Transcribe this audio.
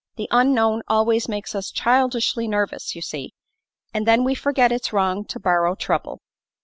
The unknown always makes us childishly nervous, you see, and then we forget it's wrong to borrow trouble."